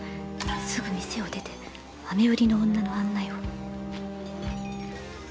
「すぐ店を出て飴売りの女の案内を」